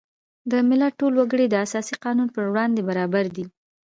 د ملت ټول وګړي د اساسي قانون په وړاندې برابر دي.